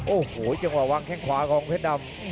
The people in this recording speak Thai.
โอ้โหจังหวะวางแข้งขวาของเพชรดำ